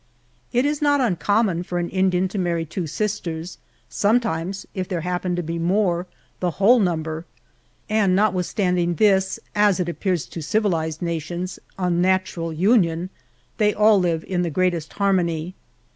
It is*not uncommon for an Indian to marry two sisters; some times, if there happen to be more, the whole number; and notwithstanding this (as it appears to civilized nations) un natural union, they all live in the greatest harmony.